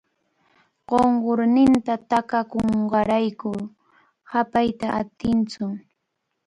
Qunqurninta takakunqanrayku hapayta atintsu.